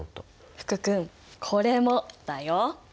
福くんこれもだよ。